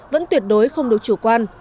vẫn tuyệt đối không được chủ quan